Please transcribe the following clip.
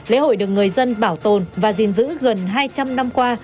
lễ hội được người dân bảo tồn và gìn giữ gần hai trăm linh năm qua